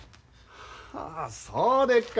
ああそうでっか。